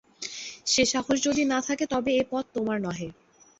সে সাহস যদি না থাকে তবে এ পদ তোমার নহে।